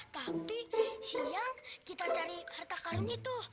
tapi siang kita cari harta karun itu